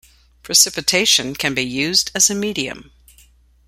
Precipitation can be used as a medium.